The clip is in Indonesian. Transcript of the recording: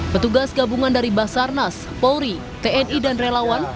petugas gabungan dari basarnas polri tni dan relawan